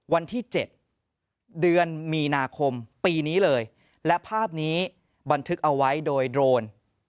วันที่๗เดือนมีนาคมปีนี้เลยและภาพนี้บันทึกเอาไว้โดยโดรน